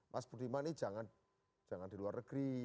mas budiman ini jangan di luar negeri